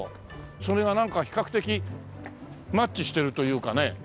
それがなんか比較的マッチしてるというかね。